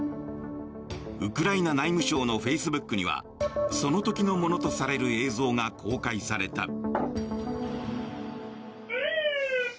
ウクライナ内務相のフェイスブックにはその時のものとされる映像が公開された。